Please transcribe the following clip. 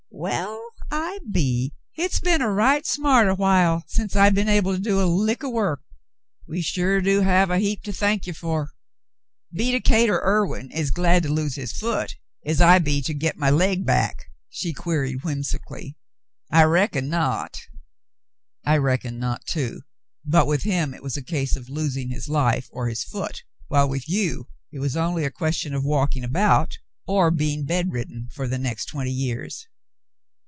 "Well, I be. Hit's been a right smart o' while since I been able to do a lick o' work. We sure do have a heap to thank you fer. Be Decatur Irwin as glad to lose his foot as I be to git my laig back ?" she queried whimsically ; I reckon not." "I reckon not, too, but with him it was a case of losing his life or his foot, while with you it was only a question of walking about, or being bedridden for the next twenty years."